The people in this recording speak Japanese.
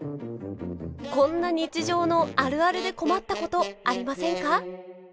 こんな日常のあるあるで困ったことありませんか？